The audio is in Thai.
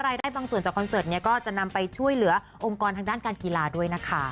บางส่วนจากคอนเสิร์ตเนี่ยก็จะนำไปช่วยเหลือองค์กรทางด้านการกีฬาด้วยนะคะ